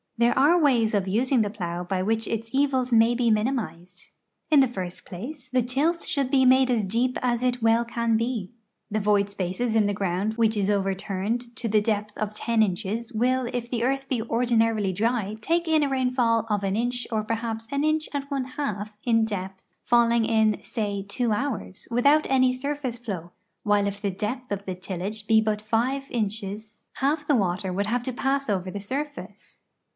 There are ways of using the plow l>v which its evils may be minimized. In the first place, the tilth 376 THE ECONOMIC ASPECTS OF SOIL EROSION should be made as deep as it well can be. The void spaces in the ground which is overturned to the depth of ten inches will if the earth be ordinarily dry take in a rainfall of an inch or per haps an inch and one half in depth falling in, sa}", two hours, without au}^ surface flow; while if the depth of the tillage be but five inches half the water would have to pass over the surface.